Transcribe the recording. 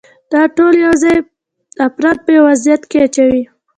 دا ټول یو ځای فرد په یو وضعیت کې اچوي.